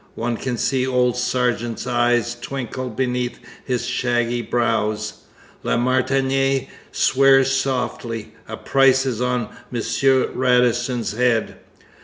One can see old Sargeant's eyes twinkle beneath his shaggy brows. La Martinière swears softly; a price is on M. Radisson's head.